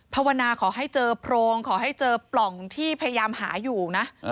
ภาวนาขอให้เจอโพรงขอให้เจอปล่องที่พยายามหาอยู่นะ